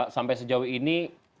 sampai sejauh ini